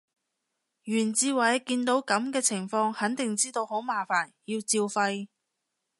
袁志偉見到噉嘅情況肯定知道好麻煩，要照肺